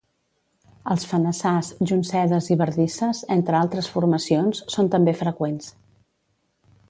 Els fenassars, joncedes i bardisses, entre altres formacions, són també freqüents.